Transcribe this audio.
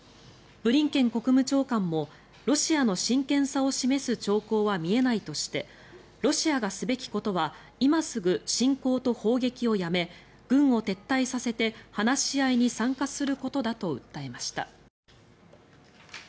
ブリンケン国務長官もロシアの真剣さを示す兆候は見えないとしてロシアがすべきことは今すぐ侵攻と砲撃をやめ軍を撤退させて話し合いに参加することだと訴えました。